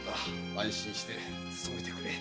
安心して勤めてくれ。